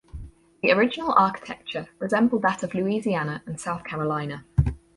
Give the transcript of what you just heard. The original architecture resembled that of Louisiana and South Carolina.